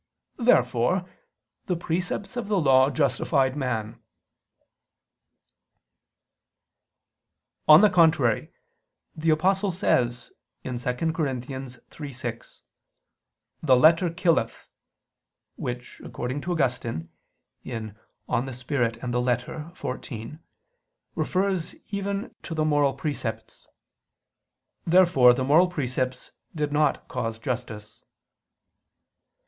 Therefore the precepts of the Law justified man. On the contrary, The Apostle says (2 Cor. 3:6): "The letter killeth": which, according to Augustine (De Spir. et Lit. xiv), refers even to the moral precepts. Therefore the moral precepts did not cause justice.